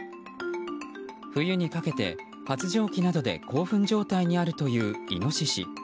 冬にかけて発情期などで興奮状態にあるというイノシシ。